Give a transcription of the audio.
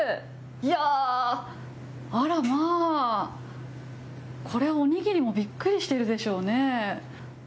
いやー、あらまあ、これ、お握りもびっくりしてるでしょうね。